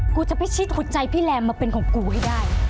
กูจะพิชิตหัวใจพี่แรมมาเป็นของกูให้ได้